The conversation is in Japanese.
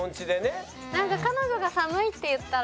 なんか彼女が寒いって言ったら。